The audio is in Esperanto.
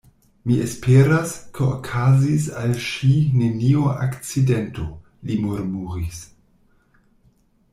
Mi esperas, ke okazis al ŝi neniu akcidento, li murmuris.